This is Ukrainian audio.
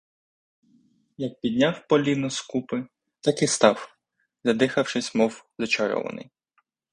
Як підняв поліно з купи, так і став, задивившись мов зачарований.